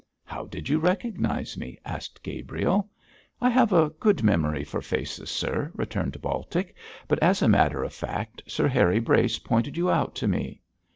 'How did you recognise me?' asked Gabriel. 'I have a good memory for faces, sir,' returned Baltic, 'but, as a matter of fact, Sir Harry Brace pointed you out to me.'